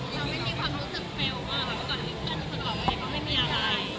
แล้วมิ้นมีความรู้สึกเฟ้วมากค่ะเพราะว่าทุกคนต่อไปก็ไม่มีอะไร